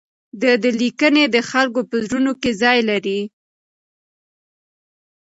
د ده لیکنې د خلکو په زړونو کې ځای لري.